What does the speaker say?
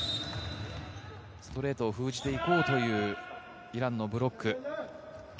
ストレートを封じていこうというイランのブロック。